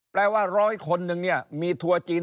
แปลว่าร้อยคนนึงเนี่ยมีทัวร์จีน